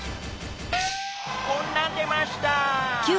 こんなん出ました。